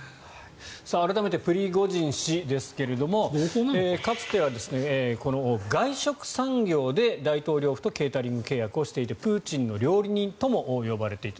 改めてプリゴジン氏ですがかつては外食産業で大統領府とケータリング契約をしていてプーチンの料理人とも呼ばれていた。